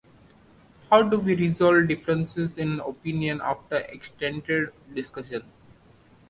How do we resolve differences in opinion after extended discussion?